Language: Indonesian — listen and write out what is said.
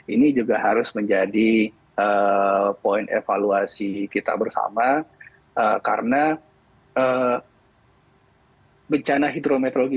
ini juga harus menjadi poin evaluasi kita bersama karena bencana hidrometeorologi